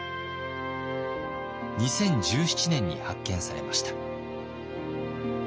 ２０１７年に発見されました。